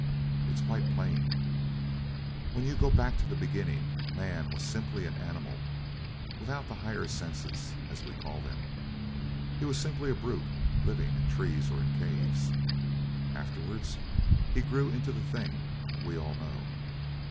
It's quite plain. When you go back to the beginning man was simply an animal, without the higher senses, as we call them. He was simply a brute, living in trees or in caves. Afterwards he grew into the thing we all know.